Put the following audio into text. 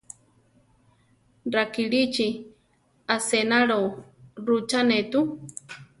Rakilíchi asénalo rúchane tu.